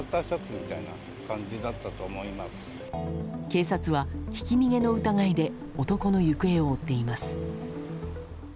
警察は、ひき逃げの疑いで男の行方を追っています。